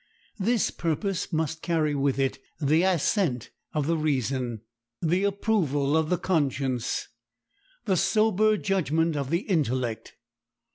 This purpose must carry with it the assent of the reason, the approval of the conscience, the sober judgment of the intellect.